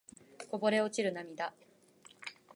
こぼれ落ちる涙